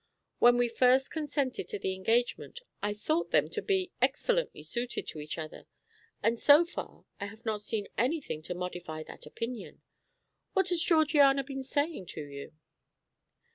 When we first consented to the engagement I thought them to be excellently suited to each other, and so far I have not seen anything to modify that opinion. What has Georgiana been saying to you?"